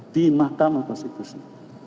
di mahkamah konstitusi